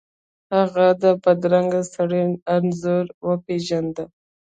هغه د بدرنګه سړي انځور وپیژنده.